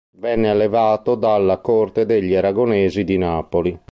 Venne allevato alla corte degli aragonesi di Napoli.